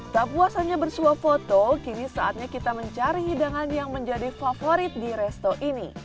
tapi kita bisa mencari hidangan yang menjadi favorit di resto ini